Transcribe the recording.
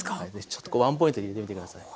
ちょっとこうワンポイントで入れてみて下さい。